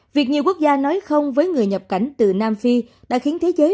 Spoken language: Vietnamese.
việc nhiều quốc gia nói không với người nhập cảnh từ nam phi đã khiến thế giới